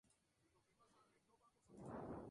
Su obra abarca perspectivas diversas.